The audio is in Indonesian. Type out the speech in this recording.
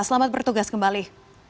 selamat bertugas kembali